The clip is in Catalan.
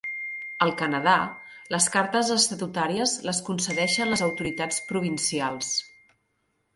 Al Canadà, les cartes estatutàries les concedeixen les autoritats provincials.